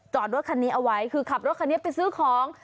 รถคันนี้เอาไว้คือขับรถคันนี้ไปซื้อของ